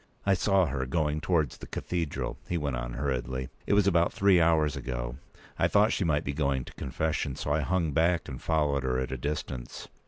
"I saw her going towards the cathedral," he went on, hurriedly. "It was about three hours ago. I thought she might be going to confession, so I hung back and followed her at a distance.